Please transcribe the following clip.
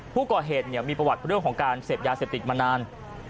ผู้ก่อเหตุมีประวัติเรื่องของการเสพยาเสพติดมานาน